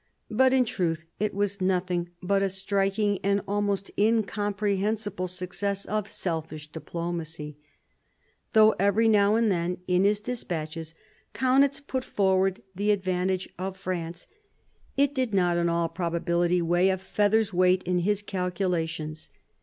But in truth it was nothing but a striking and almost incomprehensible success of selfish diplomacy. Though every now and then in his dispatches Kaunitz put forward the advantage of France, it did not in all probability weigh a feather's weight in his calculations.